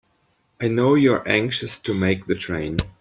I know you're anxious to make a train.